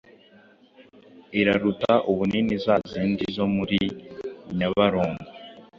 iraruta ubunini zazindi zo muli nyabarongo